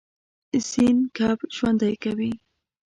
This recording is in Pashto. سیند کب ژوندی کوي.